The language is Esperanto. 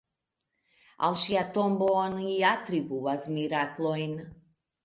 Al ŝia tombo oni atribuas miraklojn.